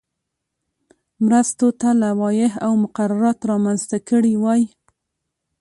مرستو ته لوایح او مقررات رامنځته کړي وای.